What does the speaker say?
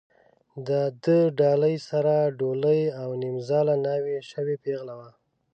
د ده ډالۍ سره ډولۍ او نیمزاله ناوې شوې پېغله وه.